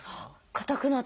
硬くなった！